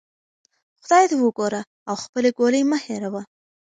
خدای ته وګوره او خپلې ګولۍ مه هیروه.